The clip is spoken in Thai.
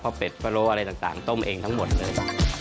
พอเป็ดพะโล้อะไรต่างต้มเองทั้งหมดเลย